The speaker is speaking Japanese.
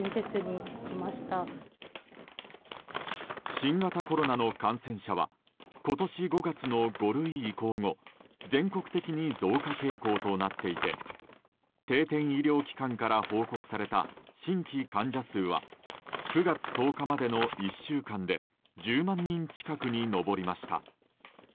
新型コロナの感染者は今年５月の５類移行後全国的に増加傾向となっていて定点医療機関から報告された新規患者数は９月１０日までの１週間で１０万人近くに上りました。